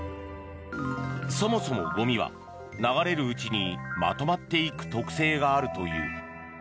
そもそもゴミは流れるうちにまとまっていく特性があるという。